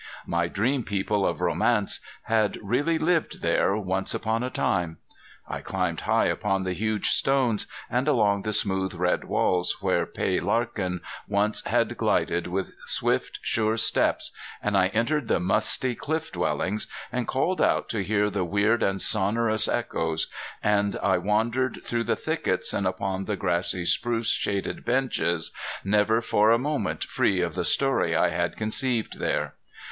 My dream people of romance had really lived there once upon a time. I climbed high upon the huge stones, and along the smooth red walls where Pay Larkin once had glided with swift sure steps, and I entered the musty cliff dwellings, and called out to hear the weird and sonorous echoes, and I wandered through the thickets and upon the grassy spruce shaded benches, never for a moment free of the story I had conceived there.